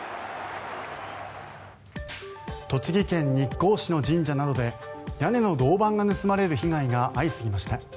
栃木県日光市の神社などで屋根の銅板が盗まれる被害が相次ぎました。